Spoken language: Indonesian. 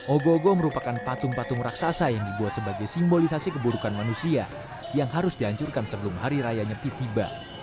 ogo ogo merupakan patung patung raksasa yang dibuat sebagai simbolisasi keburukan manusia yang harus dihancurkan sebelum hari raya nyepi tiba